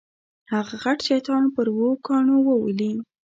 هغه غټ شیطان پر اوو کاڼو وولې.